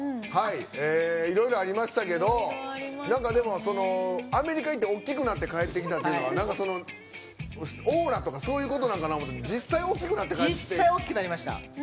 いろいろありましたけどアメリカ行って、大きくなって帰ってきたっていうのはなんか、オーラとかそういうことなんかなと思ったら大きくなって帰ってきた？